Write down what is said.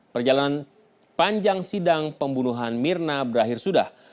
perjalanan panjang sidang pembunuhan mirna berakhir sudah